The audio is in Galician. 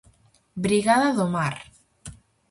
Brigada do mar.